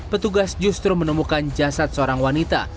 petugas justru menemukan jasad seorang wanita